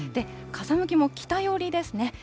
風向きも北寄りですね。